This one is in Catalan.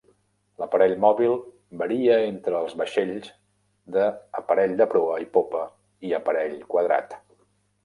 L'aparell mòbil varia entre els vaixells de "aparell de proa i popa" i "aparell quadrat".